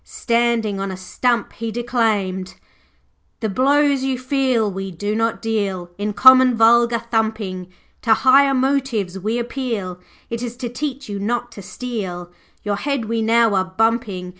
Standing on a stump, he declaimed 'The blows you feel we do not deal In common, vulgar thumping; To higher motives we appeal It is to teach you not to steal, Your head we now are bumping.